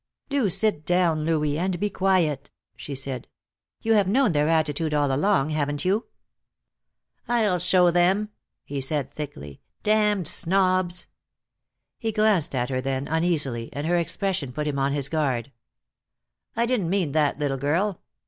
"Do sit down, Louis, and be quiet," she said. "You have known their attitude all along, haven't you?" "I'll show them," he said, thickly. "Damned snobs!" He glanced at her then uneasily, and her expression put him on his guard. "I didn't mean that, little girl.